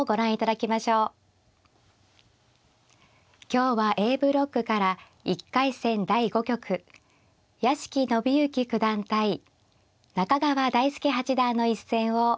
今日はＡブロックから１回戦第５局屋敷伸之九段対中川大輔八段の一戦をお送りいたします。